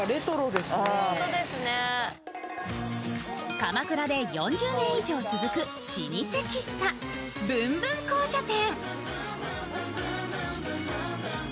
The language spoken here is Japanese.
鎌倉で４０年以上続く老舗喫茶、ブンブン紅茶店。